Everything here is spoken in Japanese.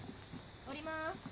下ります。